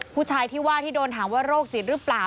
ผู้ชายที่ว่าที่โดนถามว่าโรคจิตหรือเปล่า